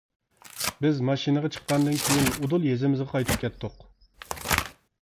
بىز ماشىنىغا چىققاندىن كىيىن ئۇدۇل يېزىمىزغا قايتىپ كەتتۇق.